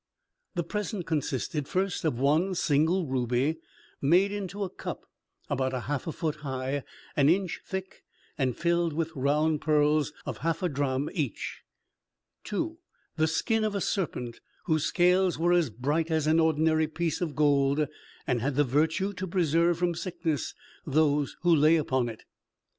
The present consisted, first, of one single ruby made into a cup, about half a foot high, an inch thick, and filled with round pearls of half a drachm each. 2. The skin of a serpent, whose scales were as bright as an ordinary piece of gold, and had the virtue to preserve from sickness those who lay upon it.